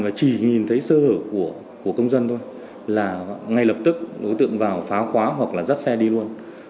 và chỉ nhìn thấy sơ hở của công dân thôi là ngay lập tức đối tượng vào phá khóa hoặc là dắt xe đi luôn